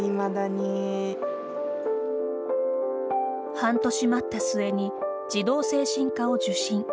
半年待った末に児童精神科を受診。